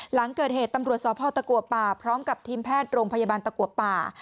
หลังเกิดเหตุตำรวจสพตะกัวป่าพร้อมกับทีมแพทย์โรงพยาบาลตะกัวป่า